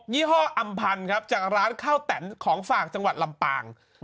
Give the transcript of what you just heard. ี่ห้ออำพันธ์ครับจากร้านข้าวแตนของฝากจังหวัดลำปาง